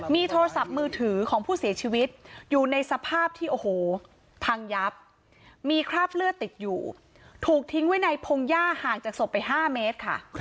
มีโทรศัพท์มือถือของผู้เสียชีวิตอยู่ในสภาพที่โอ้โหพังยับมีคราบเลือดติดอยู่ถูกทิ้งไว้ในพงหญ้าห่างจากศพไป๕เมตรค่ะ